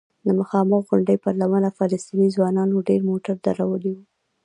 د مخامخ غونډۍ پر لمنه فلسطینی ځوانانو ډېر موټر درولي وو.